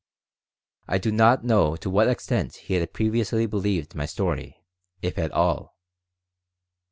I do not know to what extent he had previously believed my story, if at all.